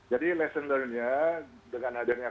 jadi lesson learn nya dengan adanya